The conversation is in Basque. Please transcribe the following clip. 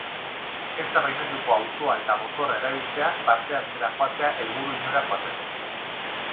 Ez da baimenduko autoa eta motorra erabiltzea paseatzera joatea helburu inora joateko.